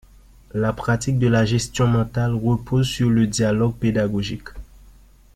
La pratique de la gestion mentale repose sur le dialogue pédagogique.